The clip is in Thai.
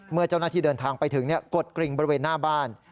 เมื่อเจ้าหน้าที่เดินทางไปถึงกดกริ่งบริเวณหน้าบ้าน